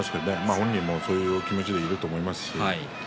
本人もそういう気持ちでいると思います。